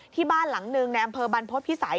ที่บ้านหลังหนึ่งในอำเภอบรรพฤษภิษัย